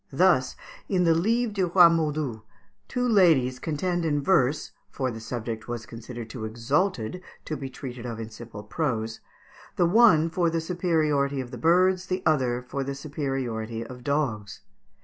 Thus, in the "Livre du Roy Modus," two ladies contend in verse (for the subject was considered too exalted to be treated of in simple prose), the one for the superiority of the birds, the other for the superiority of dogs.